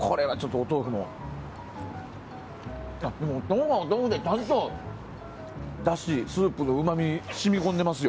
お豆腐はお豆腐でだし、スープのうまみ染み込んでますよ。